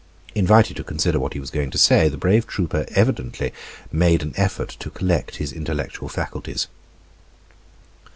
Invited to consider what he was going to say, the brave trooper evidently made an effort to collect his intellectual faculties.